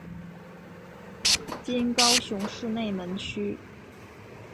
今高雄市内门区。